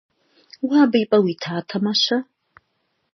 Уэ абы и пӀэ уитатэмэ-щэ?